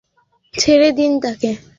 হচ্ছে sir sir ছেড়ে দিন তাকে।